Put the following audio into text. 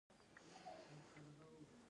انار د تګاب مشهور دي